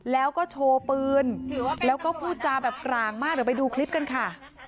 แล้วก็โชว์ปืนแล้วก็พูดจาแบบกลางมากเดี๋ยวไปดูคลิปกันค่ะ